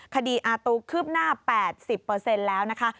คดีอาตูคืบหน้า๘๐แล้วนะคะ